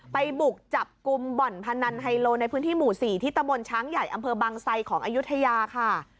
บุกจับกลุ่มบ่อนพนันไฮโลในพื้นที่หมู่๔ที่ตะบนช้างใหญ่อำเภอบางไซของอายุทยาค่ะ